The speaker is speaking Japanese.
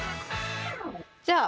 じゃあ